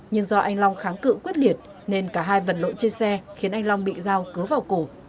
nhưng do anh long kháng cự quyết liệt nên cả hai vật lộn trên xe khiến anh long bị dao cớ vào cổ